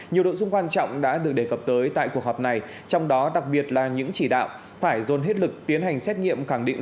nhiều nội dung quan trọng đã được đề cập tới tại cuộc họp này trong đó đặc biệt là những chỉ đạo phải dồn hết lực tiến hành xét nghiệm khẳng định